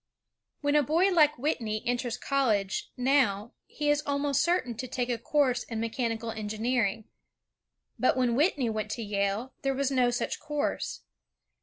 When a boy like Whitney enters college, now, he is almost certain to take a course in mechanical engineering. But when Whitney went to Yale, there was no such course.